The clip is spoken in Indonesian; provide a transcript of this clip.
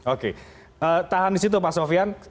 oke tahan di situ pak sofian